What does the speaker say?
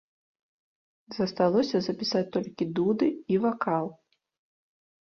Засталося запісаць толькі дуды і вакал.